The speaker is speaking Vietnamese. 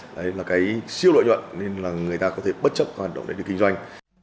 đấy là cái siêu lợi nhuận nên là người ta có thể bất chấp hoạt động để được kinh doanh